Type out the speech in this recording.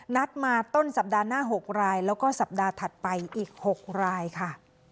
นัดมาต้นสัปดาห์หน้า๖รายแล้วก็สัปดาห์ถัดไปอีก๖รายค่ะ